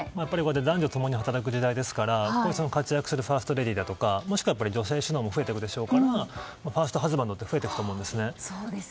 男女共に働く時代ですからこれから活躍するファーストレディーとかもしくは女性中心も増えていくでしょうからファーストハズバンドも増えていくと思うんですね。